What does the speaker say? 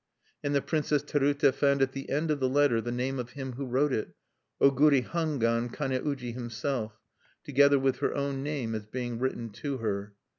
And the Princess Terute found at the end of the letter the name of him who wrote it, Oguri Hangwan Kane uji himself, together with her own name, as being written to her.